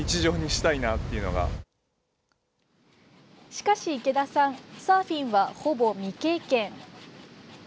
しかし池田さんサーフィンは、ほぼ未経験。